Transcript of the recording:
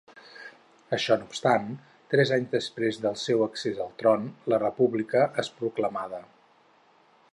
Això no obstant, tres anys després del seu accés al tron, la república és proclamada.